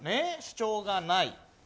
主張がない。